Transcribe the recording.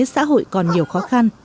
xã hội còn nhiều khó khăn